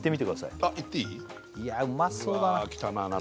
いやうまそうだな